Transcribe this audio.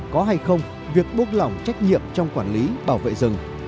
có hay không việc buông lỏng trách nhiệm trong quản lý bảo vệ rừng